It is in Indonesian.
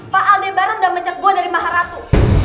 pak aldebaran udah mecek gue dari maharatu